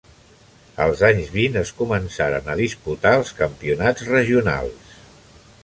Als anys vint es començaren a disputar els campionats regionals.